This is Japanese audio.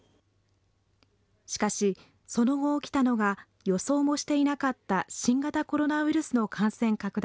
しかし、その後、起きたのが予想もしていなかった新型コロナウイルスの感染拡大。